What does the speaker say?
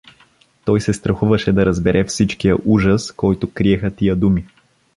Той се страхуваше да разбере всичкия ужас, който криеха тия думи.